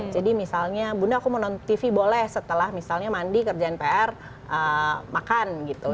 jadi misalnya bunda aku mau nonton tv boleh setelah misalnya mandi kerja npr makan gitu